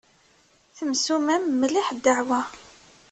Temsumam mliḥ ddeɛwa.